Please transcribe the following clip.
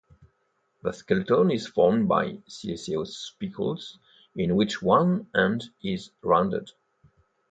The skeleton is formed by siliceous spicules in which one end is rounded.